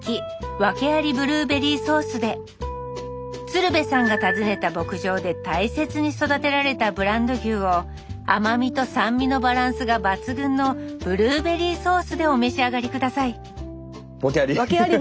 鶴瓶さんが訪ねた牧場で大切に育てられたブランド牛を甘みと酸味のバランスが抜群のブルーベリーソースでお召し上がり下さいワケあり。